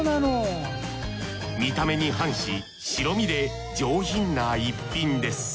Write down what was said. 見た目に反し白身で上品な逸品です